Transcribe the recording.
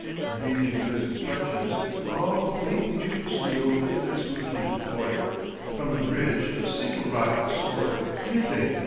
Obedient to his instructions, the long, gleaming tube of steel pivoted smoothly to port. From the bridge a signal rocket soared, hissing.